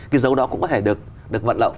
cái dấu đó cũng có thể được vận động